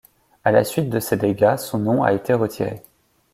À la suite de ces dégâts, son nom a été retiré.